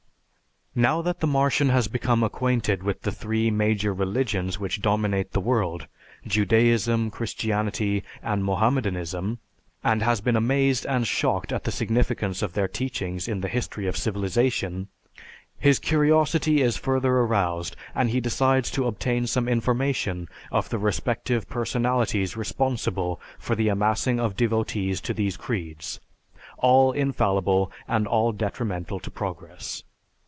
Now that the Martian has become acquainted with the three major religions which dominate the world, Judaism, Christianity, and Mohammedanism, and has been amazed and shocked at the significance of their teachings in the history of civilization, his curiosity is further aroused, and he decides to obtain some information of the respective personalities responsible for the amassing of devotees to these creeds, all "infallible," and all detrimental to progress.